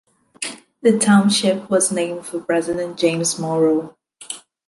The township was named for President James Monroe.